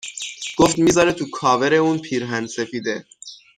گفت می ذاره تو کاورِ اون پیرهن سفیده